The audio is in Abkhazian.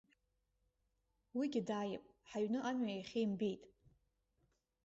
Уигьы дааип, ҳаҩны амҩа иахьа имбеит.